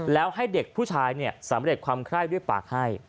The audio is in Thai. แล้วให้เด็กผู้ชายเนี่ยสำเร็จความคล่ายด้วยปากให้